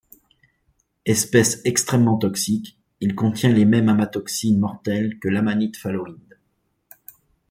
Espèce extrêmement toxique, il contient les mêmes amatoxines mortelles que l'amanite phalloïde.